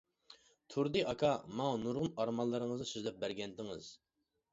تۇردى ئاكا، ماڭا نۇرغۇن ئارمانلىرىڭىزنى سۆزلەپ بەرگەنىدىڭىز.